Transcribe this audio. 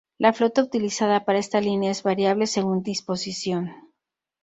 La flota utilizada para esta línea es variable, según disposición.